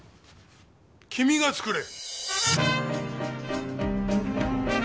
君が作れ！